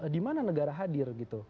di mana negara hadir gitu